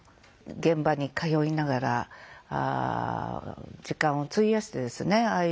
現場に通いながら時間を費やしてですねああ